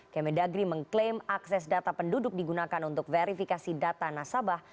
kemendagri mengklaim akses data penduduk digunakan untuk verifikasi data nasabah